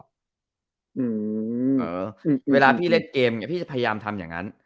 หือเทนต์คนอ๋อเวลาพี่เล่นเกมนี่พี่จะพยายามทำอย่างงั้น